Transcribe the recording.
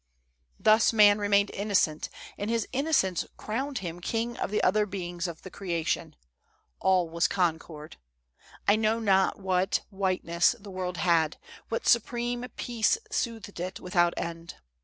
"Thus man remained innocent, and his innocence crowned him king of the other beings of the creation. All was concord. I know not what whiteness the world had, what supreme peace soothed it without end.